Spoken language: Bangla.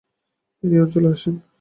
তিনি এ অঞ্চলে আসেন।